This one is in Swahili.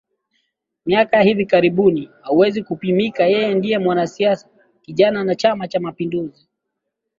miaka ya hivi karibuni hauwezi kupimika Yeye ndiye mwanasiasa kijana wa Chama cha mapinduzi